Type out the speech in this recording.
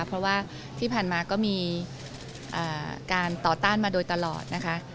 เพราะว่าที่ผ่านมาก็มีการต่อต้านมาโดยตลอดนะคะ